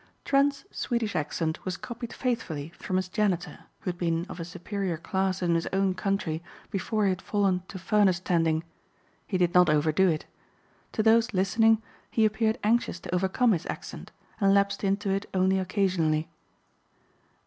Trent's Swedish accent was copied faithfully from his janitor who had been of a superior class in his own country before he had fallen to furnace tending. He did not overdo it. To those listening, he appeared anxious to overcome his accent and lapsed into it only occasionally.